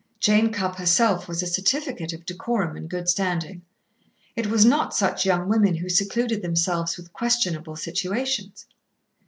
Jane Cupp herself was a certificate of decorum and good standing. It was not such young women who secluded themselves with questionable situations.